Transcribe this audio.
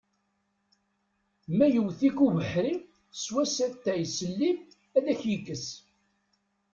Ma yewwet-ik ubeḥri sew-as atay s llim ad k-yekkes!